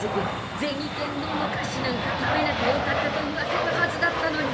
天堂の菓子なんか食べなきゃよかったと言わせるはずだったのに。